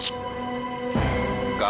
ika mungkin tembakan